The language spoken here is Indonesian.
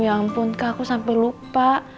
ya ampun kak aku sampe lupa